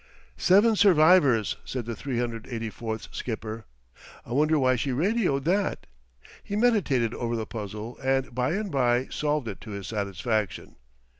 "Seven survivors!" said the 384's skipper. "I wonder why she radioed that?" He meditated over the puzzle and by and by solved it to his satisfaction.